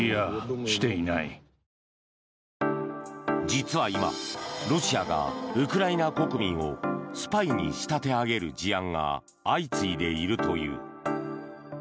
実は今、ロシアがウクライナ国民をスパイに仕立て上げる事案が相次いでいるという。